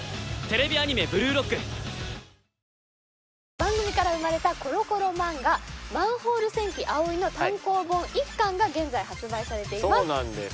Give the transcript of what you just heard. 番組から生まれたコロコロ漫画『マンホール戦記アオイ』の単行本１巻が現在発売されています。